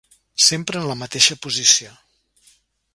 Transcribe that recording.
Sempre en la mateixa posició.